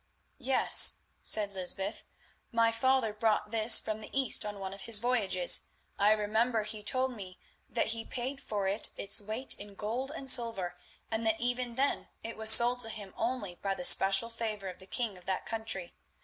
"Yes," said Lysbeth, "my father brought this from the East on one of his voyages. I remember he told me that he paid for it its weight in gold and silver, and that even then it was sold to him only by the special favour of the king of that country.